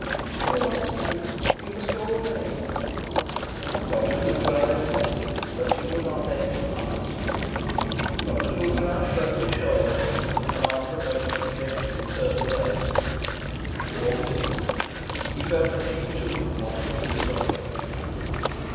"He will not see you. You must go away." Dr. Coutras insisted, but she would not let him pass. Dr. Coutras shrugged his shoulders, and after a moment's rejection turned away. She walked with him. He felt that she too wanted to be rid of him.